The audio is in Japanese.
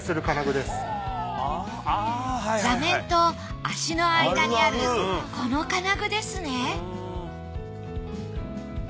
座面と足の間にあるこの金具ですね